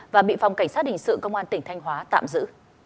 và bị phòng cảnh sát hình sự công an tỉnh thanh hóa tạm giữ